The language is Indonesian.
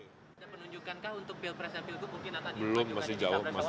ada penunjukankah untuk pilpres dan pilgub mungkin akan ditunjukkan di capres